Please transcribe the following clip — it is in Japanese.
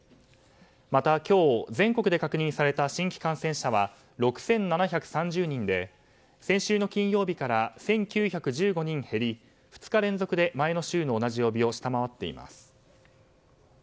また、今日全国で確認された新規感染者は６７３０人で先週の金曜日から１９１５人減り、２日連続で前の週の同じ曜日を下回っています。